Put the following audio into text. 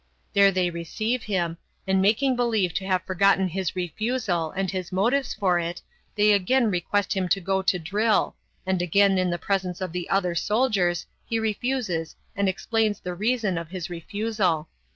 There they receive him, and making believe to have forgotten his refusal, and his motives for it, they again request him to go to drill, and again in the presence of the other soldiers he refuses and explains the reason of his refusal.